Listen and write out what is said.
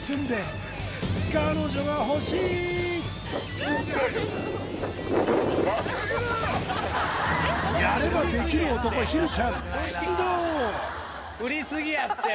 寝る以外のやればできる男ひるちゃん出動！